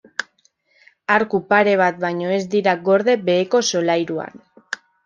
Arku pare bat baino ez dira gorde beheko solairuan.